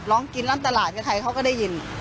ร้องกรีทลำตลาดที่ใครเขาก็ได้ยิน